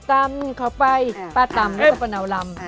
ตามเข้าไปป้าตามแล้วก็ปะนาวลำ